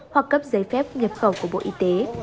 hoặc cấp giấy phép nhập khẩu của bộ y tế